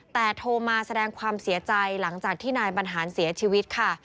แต่โทรมาแสดงความเสียใจหลังจากที่นายบรรหารเสียชีวิตค่ะ